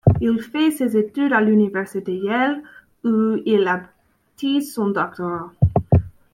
Il fait ses études à l'université Yale où il obtient son doctorat.